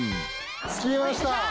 着きました。